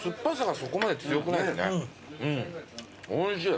おいしい。